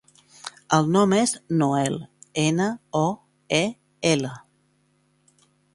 El nom és Noel: ena, o, e, ela.